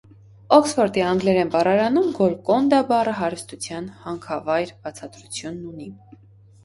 Օքսվորդի անգլերեն բառարանում «գոլկոնդա» բառը հարստության հանքավայր բացատրությունն ունի։